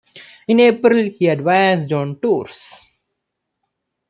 In April he advanced on Tours.